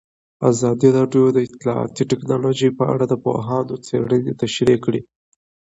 ازادي راډیو د اطلاعاتی تکنالوژي په اړه د پوهانو څېړنې تشریح کړې.